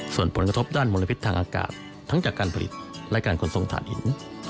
ส่วนผลกระทบด้านมลพิษทางอากาศทั้งจากการผลิตและการขนส่งฐานหิน